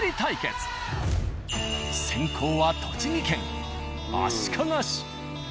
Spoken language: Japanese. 先攻は栃木県足利市。